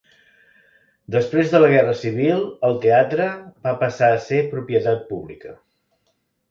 Després de la Guerra Civil, el teatre va passar a ser propietat pública.